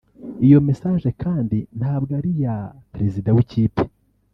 iyo mesaje kandi ntabwo ari n’iya perezida w’ikipe